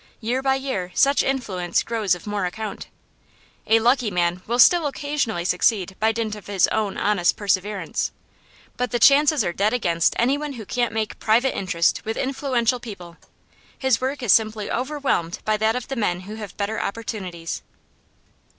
Year by year, such influence grows of more account. A lucky man will still occasionally succeed by dint of his own honest perseverance, but the chances are dead against anyone who can't make private interest with influential people; his work is simply overwhelmed by that of the men who have better opportunities.